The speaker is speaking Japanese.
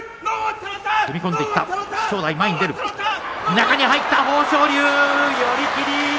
中に入った豊昇龍、寄り切り。